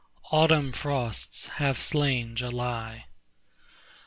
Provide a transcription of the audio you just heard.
Autumn frosts have slain July.